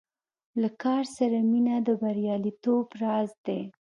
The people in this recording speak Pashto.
له کار سره مینه د بریالیتوب راز دی.